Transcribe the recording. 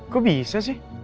kok bisa sih